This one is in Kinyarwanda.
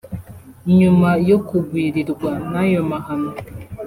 nyuma yo kugwirirwa n’ayo mahano